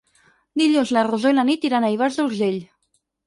Dilluns na Rosó i na Nit aniran a Ivars d'Urgell.